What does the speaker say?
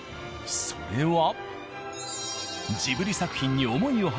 それは。